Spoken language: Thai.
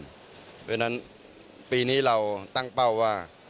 เพราะฉะนั้นปีนี้เราตั้งเป้าว่า